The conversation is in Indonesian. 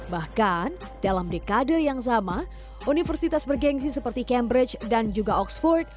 bahkan dalam dekade yang sama universitas bergensi seperti cambridge dan juga oxford